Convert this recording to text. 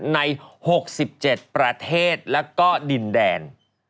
ใน๖๗ประเทศแล้วก็ดินแดน